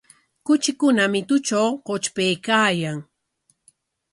Kuchikuna mitutraw qutrpaykaayan.